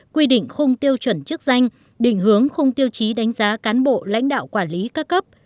quy định khung tiêu chuẩn chức danh định hướng khung tiêu chí đánh giá cán bộ lãnh đạo quản lý các cấp